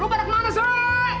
lu pada kemana su